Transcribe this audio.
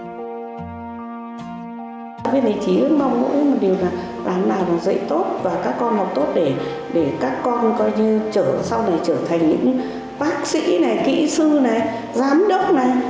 quý vị chỉ mong mỗi một điều là làm nào dạy tốt và các con học tốt để các con sau này trở thành những bác sĩ kỹ sư giám đốc